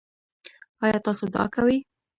ایا تاسو دعا کوئ؟